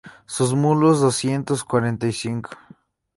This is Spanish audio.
sus mulos, doscientos cuarenta y cinco;